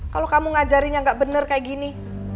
kalau kamu ngajarin yang gak bener kayak gini